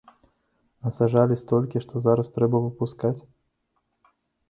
Насаджалі столькі, што зараз трэба выпускаць?